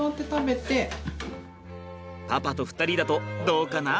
パパと２人だとどうかな？